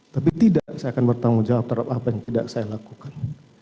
tapi tidak saya akan bertanggung jawab terhadap apa yang tidak saya lakukan